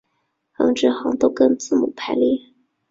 横直行都跟字母排列。